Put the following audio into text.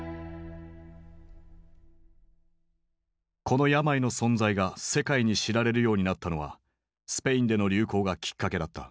この病の存在が世界に知られるようになったのはスペインでの流行がきっかけだった。